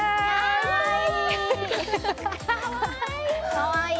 かわいい！